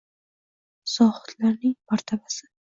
Zohidlarning martabasi.